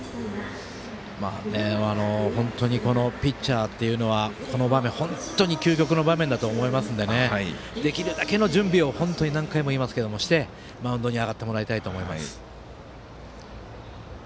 本当にピッチャーっていうのはこの場面、本当に究極の場面だと思いますのでできるだけの準備をしてマウンドに上がってもらいたいと思います。